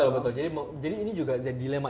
betul jadi ini juga dilema